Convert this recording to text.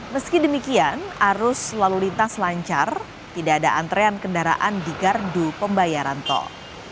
meski demikian arus lalu lintas lancar tidak ada antrean kendaraan di gardu pembayaran tol